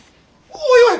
おいおい！